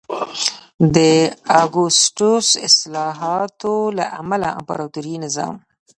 د اګوستوس اصلاحاتو له امله امپراتوري نظام